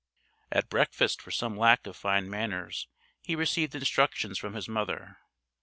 At breakfast for some lack of fine manners he received instructions from his mother.